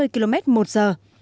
bốn mươi km một giờ